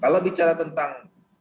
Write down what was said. kalau bicara tentang